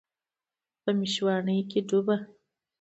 په میشواڼۍ کې ډوبه